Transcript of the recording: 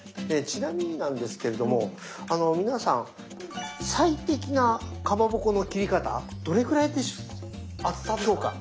ちなみになんですけれどもあの皆さん最適なかまぼこの切り方どれくらいでしょうか？